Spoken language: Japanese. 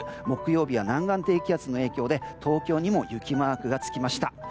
木曜日には南岸低気圧の影響で東京にも雪マークが付きました。